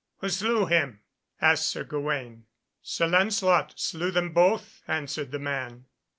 "Who slew him?" asked Sir Gawaine. "Sir Lancelot slew them both," answered the man.